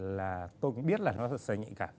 là tôi cũng biết là nó rất là nhạy cảm